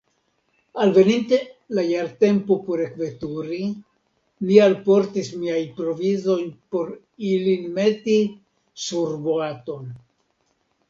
Alveninte la jartempo por ekveturi, ni alportis miajn provizojn por ilin meti surboaton.